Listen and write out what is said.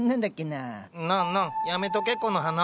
・ノンノンやめとけこの花は。